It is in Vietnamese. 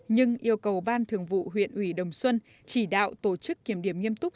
nhưng yêu cầu ban thường vụ huyện ủy đồng xuân chỉ đạo tổ chức kiểm điểm nghiêm túc